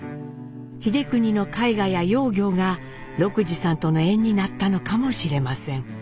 英邦の絵画や窯業が禄二さんとの縁になったのかもしれません。